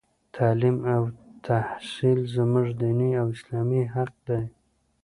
تـعلـيم او تحـصيل زمـوږ دينـي او اسـلامي حـق دى.